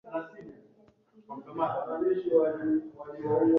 a yataingizwaje katika mfumo wa muungano